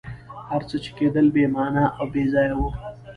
هر څه چي کېدل بي معنی او بېځایه وه.